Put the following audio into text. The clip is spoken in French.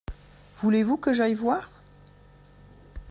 Voulez-vous que j’aille voir ?